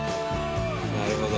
なるほど。